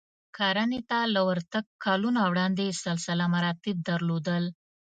کرنې ته له ورتګ کلونه وړاندې سلسله مراتب درلودل